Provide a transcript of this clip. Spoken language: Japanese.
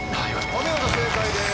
お見事正解です。